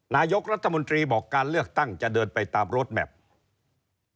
นายกรัฐมนตรีบอกการเลือกตั้งจะเดินไปตามรถแมพ